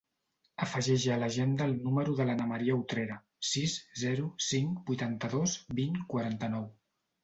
Afegeix a l'agenda el número de l'Ana maria Utrera: sis, zero, cinc, vuitanta-dos, vint, quaranta-nou.